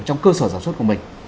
trong cơ sở giáo suất của mình